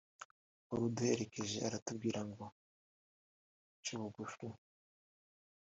uwari uduherekeje aratubwira ngo nce bugufi